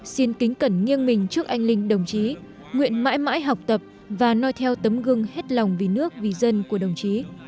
xin kính cẩn nghiêng mình trước anh linh đồng chí nguyện mãi mãi học tập và nói theo tấm gương hết lòng vì nước vì dân của đồng chí